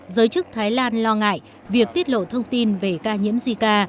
giới chức thái lan lo ngại việc tiết lộ thông tin về ca nhiễm zika